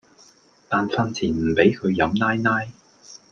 但訓前唔俾佢飲奶奶